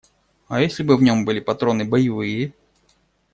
А если бы в нем были патроны боевые?